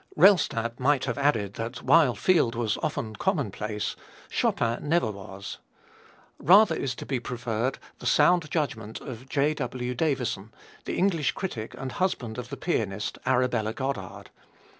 Rellstab might have added that while Field was often commonplace, Chopin never was. Rather is to be preferred the sound judgment of J. W. Davison, the English critic and husband of the pianist, Arabella Goddard.